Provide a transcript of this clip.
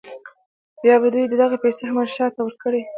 بیا به دوی دغه پیسې احمدشاه ته ورکړي.